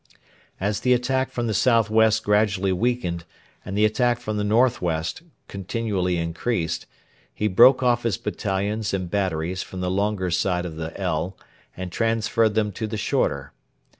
As the attack from the south west gradually weakened and the attack from the north west continually increased, he broke off his battalions and batteries from the longer side of the L and transferred them to the shorter.